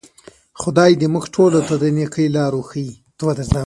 خدای دې موږ ټولو ته د نیکۍ لار وښیي.